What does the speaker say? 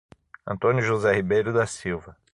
Antônio José Ribeiro da Silva